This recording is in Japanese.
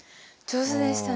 上手でしたね。